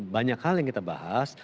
banyak hal yang kita bahas